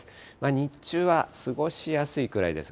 日中は過ごしやすいくらいです。